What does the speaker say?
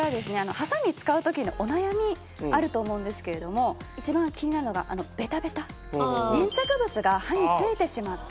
ハサミ使う時のお悩みあると思うんですけれども一番気になるのがベタベタ粘着物が刃についてしまって。